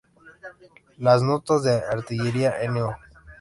Las Notas de Artillería No.